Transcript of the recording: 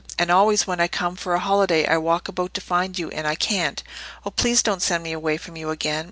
And always when I come for a holiday I walk about to find you, and I can't. Oh, please don't send me away from you again!